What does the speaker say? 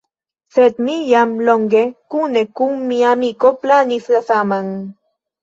Sed mi jam longe kune kun mia amiko planis la saman.